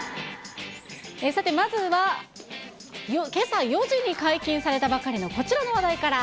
さて、まずはけさ４時に解禁されたばかりのこちらの話題から。